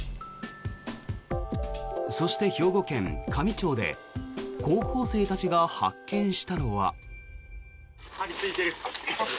そして、兵庫県香美町で高校生たちが発見したのは。